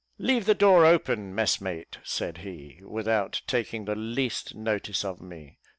"Leave the door open, messmate," said he, without taking the least notice of me.